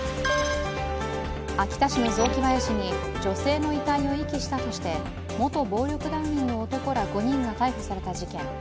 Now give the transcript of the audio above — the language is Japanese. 秋田市の雑木林に女性の遺体を遺棄したとして元暴力団員の男ら５人が逮捕された事件。